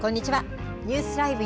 ニュースＬＩＶＥ！